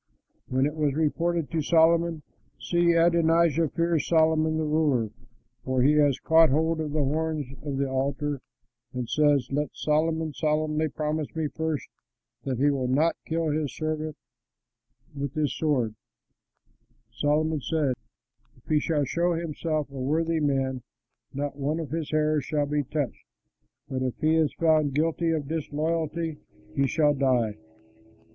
When it was reported to Solomon, "See, Adonijah fears Solomon the ruler, for he has caught hold of the horns of the altar and says, 'Let Solomon solemnly promise me first that he will not kill his servant with the sword,'" Solomon said, "If he shall show himself a worthy man, not one of his hairs shall be touched, but if he is found guilty of disloyalty, he shall die."